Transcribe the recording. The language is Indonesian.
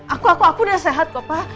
aku aku aku udah sehat kok pak